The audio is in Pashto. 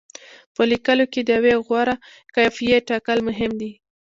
په لیکلو کې د یوې غوره قافیې ټاکل مهم دي.